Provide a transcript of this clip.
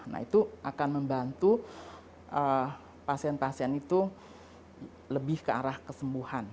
nah itu akan membantu pasien pasien itu lebih ke arah kesembuhan